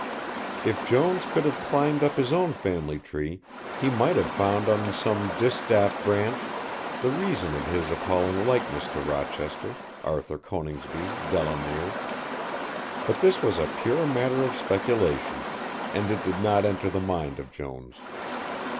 If Jones could have climbed up his own family tree he might have found on some distaff branch the reason of his appalling likeness to Rochester, Arthur Coningsby, Delamere, but this was a pure matter of speculation, and it did not enter the mind of Jones.